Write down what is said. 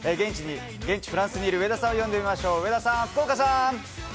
現地フランスにいる上田さんを呼んでみましょう。